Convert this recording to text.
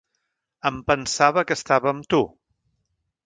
Em pensava que estava amb tu.